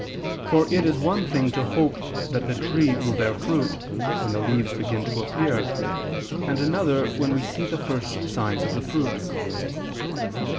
For it is one thing to hope that the tree will bear fruit, when the leaves begin to appear, and another, when we see the first signs of the fruit.